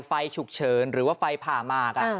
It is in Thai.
ไฟฉุกเฉินหรือว่าไฟผ่ามาก